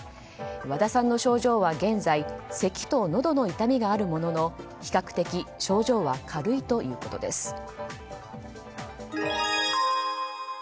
和田さんの症状は現在せきとのどの痛みがあるものの比較的、症状は軽いということです。